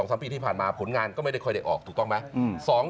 ๓ปีที่ผ่านมาผลงานก็ไม่ได้ค่อยได้ออกถูกต้องไหม